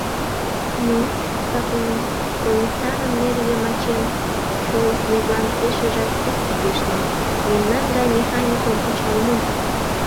— Ну, Сапунов, «комиссарым» нер йымачем шолышметлан пешыжак ит кугешне, мемнан гай механикым кычал му.